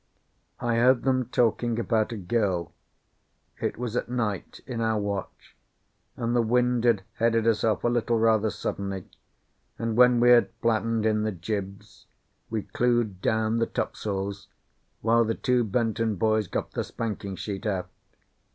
I heard them talking about a girl. It was at night, in our watch, and the wind had headed us off a little rather suddenly, and when we had flattened in the jibs, we clewed down the topsails, while the two Benton boys got the spanker sheet aft.